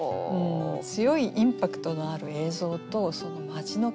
強いインパクトのある映像と町の気分